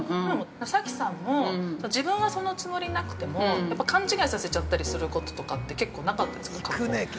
早紀さんも自分はそのつもりなくても勘違いさせちゃったりすることとかって、結構なかったですか？